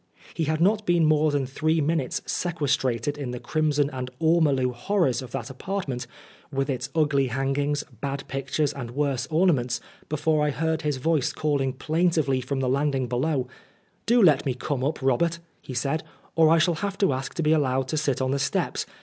He had not been more than three minutes sequestrated in the crimson and ormolu horrors of that apart ment, with its ugly hangings, bad pictures, 100 Oscar Wilde and worse ornaments, before I heard his voice calling plaintively from the landing below, " Do let me come up, Robert," he said, "or I shall have to ask to be allowed to sit on the steps.